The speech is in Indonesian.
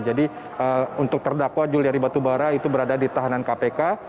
jadi untuk terdakwa julia ripi terbatubara itu berada di tahanan kpk